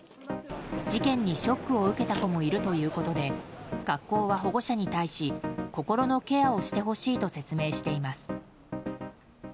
事件にショックを受けた子もいるということで学校は保護者に対し心のケアをしてほしいと説明しています。